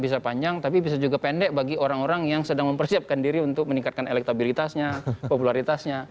bisa panjang tapi bisa juga pendek bagi orang orang yang sedang mempersiapkan diri untuk meningkatkan elektabilitasnya popularitasnya